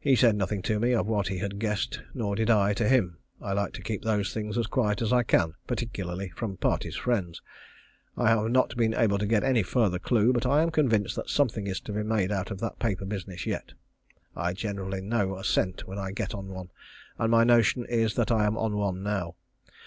He said nothing to me of what he had guessed, nor did I to him. I like to keep those things as quiet as I can, particularly from parties' friends. I have not been able to get any further clue, but I am convinced that something is to be made out of that paper business yet. I generally know a scent when I get on one, and my notion is that I am on one now.